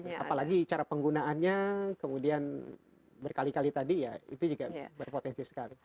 apalagi cara penggunaannya kemudian berkali kali tadi ya itu juga berpotensi sekali